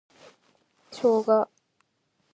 ショウガ